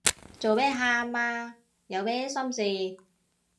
做咩喊啊？有咩心事